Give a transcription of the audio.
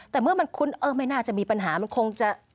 แต่เมื่อมันคุ้นเออไม่น่าจะมีปัญหามันคงจะ